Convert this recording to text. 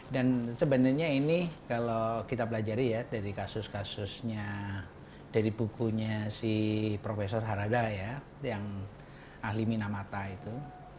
dan sebenarnya ini kalau kita belajar dari kasus kasusnya dari bukunya si profesor harada yang ahli minamata itu